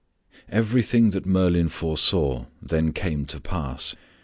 Everything that Merlin foresaw then came to pass.